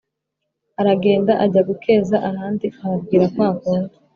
aragenda ajya gukeza ahandi, ababwira kwa kundi